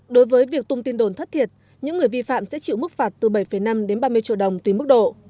đối với việc tung tin đồn thất thiệt những người vi phạm sẽ chịu mức phạt từ bảy năm đến ba mươi triệu đồng tùy mức độ